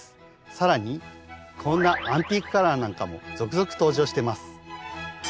更にこんなアンティークカラーなんかも続々登場してます。